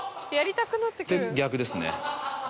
で逆ですね